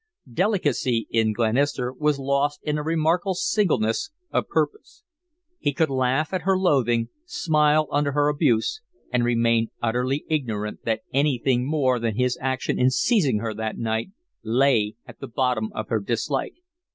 Delicacy, in Glenister, was lost in a remarkable singleness of purpose. He could laugh at her loathing, smile under her abuse, and remain utterly ignorant that anything more than his action in seizing her that night lay at the bottom of her dislike.